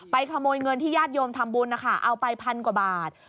ขโมยเงินที่ญาติโยมทำบุญนะคะเอาไปพันกว่าบาท